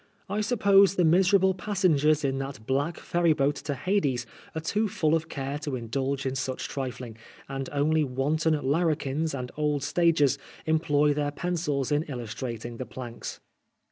I suppose the miserable passengers in that black ferry boat to Hades are too full of care to indulge in such trifling, and only wanton larrikins and old stagers employ their pencils in illus trating the planks.